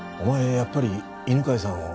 やっぱり犬飼さんを。